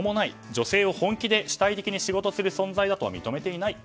女性を本気で主体的に仕事する存在だと認めていない。